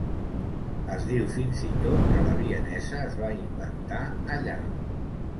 Es diu fins i tot que la vienesa es va inventar allà.